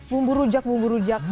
bumbu rujak bumbu rujak